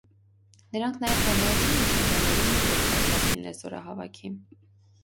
Նրանք նաև հրամայեցին մյուս շրջաններին նույնպես պատրաստ լինել զորահավաքի։